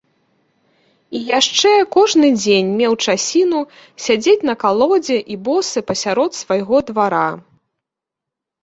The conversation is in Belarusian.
І яшчэ кожны дзень меў часіну сядзець на калодзе і босы пасярод свайго двара.